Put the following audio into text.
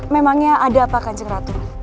memangnya ada apa kanjeng ratu